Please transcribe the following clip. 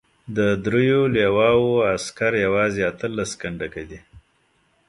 د دریو لواوو عسکر یوازې اته لس کنډکه دي.